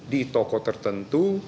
di toko tertentu